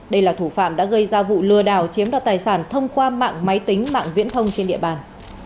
đây là thủ phạm đã gây ra vụ lừa đảo chiếm đoạt tài sản thông qua mạng máy tính mạng viễn thông trên địa bàn